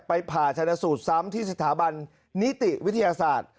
ผ่าชนะสูตรซ้ำที่สถาบันนิติวิทยาศาสตร์